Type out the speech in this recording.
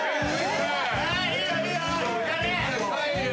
・いいよいいよ。